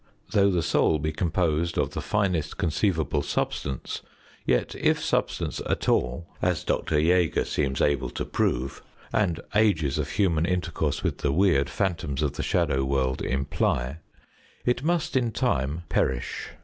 Though the soul be composed of the finest conceivable substance, yet if substance at all as Dr. J├żger seems able to prove, and ages of human intercourse with the weird phantoms of the shadow world imply it must in time perish.